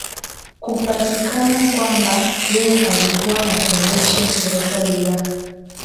kupatikana kwamba yeye alikuwa anaendesha serikali ya